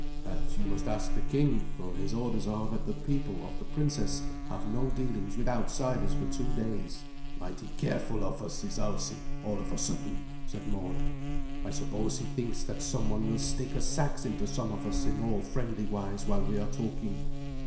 "That you must ask the king; for his orders are that the people of the princess have no dealings with outsiders for two days." "Mighty careful of us is Alsi all of a sudden," said Mord. "I suppose he thinks that someone will stick a seax into some of us in all friendly wise while we are talking."